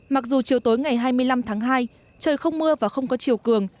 mặc dù chiều tối ngày hai mươi năm tháng hai trời không mưa và không có chiều cường